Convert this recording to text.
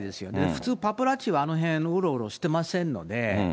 普通、パパラッチも、あの辺うろうろしてませんので。